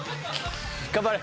頑張れ！